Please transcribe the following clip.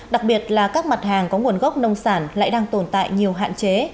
đặc biệt là các mặt hàng có nguồn gốc nông sản lại đang tồn tại nhiều hạn chế